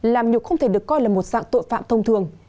làm nhục không thể được coi là một dạng tội phạm thông thường